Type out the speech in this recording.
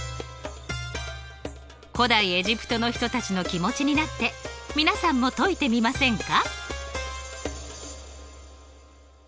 古代エジプトの人たちの気持ちになって皆さんも解いてみませんか？